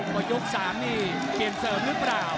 ว่ายก๓นี่เปลี่ยนเสริมหรือเปล่า